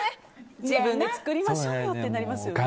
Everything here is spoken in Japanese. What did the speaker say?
自分で作りましょうよってなりますよね。